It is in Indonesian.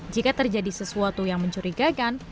jika terjadi sesuatu yang mencurigakan